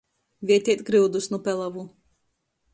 Vieteit gryudus nu pelavu.